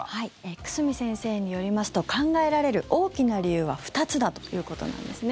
久住先生によりますと考えられる大きな理由は２つだということなんですね。